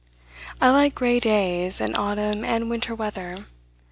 I like gray days, and autumn and winter weather.